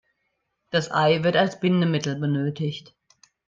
Das Ei wird als Bindemittel benötigt.